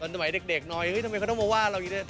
สันตมัยเด็กน้อยทำไมเขามาว่าเรามีอีกเดื่อน